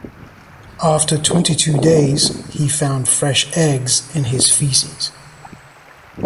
After twenty-two days, he found fresh eggs in his faeces.